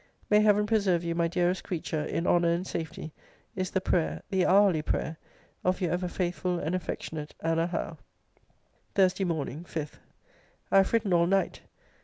May Heaven preserve you, my dearest creature, in honour and safety, is the prayer, the hourly prayer, of Your ever faithful and affectionate, ANNA HOWE. THURSDAY MORN. 5. I have written all night.